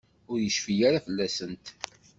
Ur yecfi ara fell-asent.